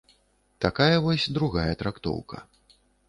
Такая вось другая трактоўка.